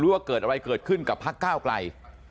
ว่าเกิดอะไรเกิดขึ้นกับพักก้าวไกล